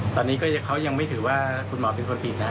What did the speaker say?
ตอนนี้เขายังไม่ถือว่าคุณหมอเป็นคนผิดนะ